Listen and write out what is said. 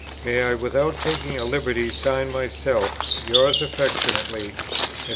May I without taking a liberty sign myself, yours affectionately, &c."